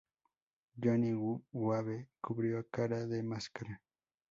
Johnny Wave cubrió a Cara de Máscara.